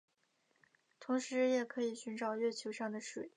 同时也可以寻找月球上的水。